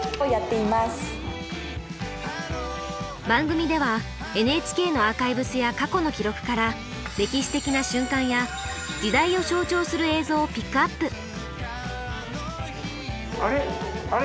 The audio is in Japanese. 番組ではＮＨＫのアーカイブスや過去の記録から歴史的な瞬間や時代を象徴する映像をピックアップ。